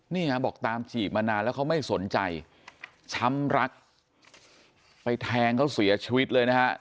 บอกตามจีบมานานแล้วเขาไม่สนใจช้ำรักไปแทงเขาเสียชีวิตเลยนะฮะ